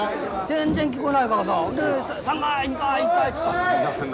全然聞こえないからさで３階２階１階つったんだよ。